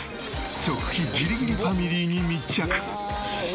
食費ギリギリファミリーに密着！